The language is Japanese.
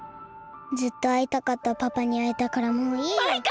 ずっとあいたかったパパにあえたからもういいよ。マイカ！